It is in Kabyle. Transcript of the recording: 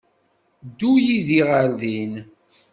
Ddu yid-i ɣer din.